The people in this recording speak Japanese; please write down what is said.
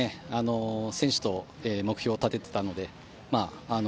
選手と目標を立てていたので。